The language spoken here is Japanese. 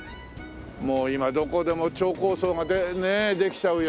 もう今どこでも超高層ができちゃうよね。